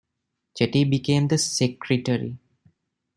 Chetty became the secretary.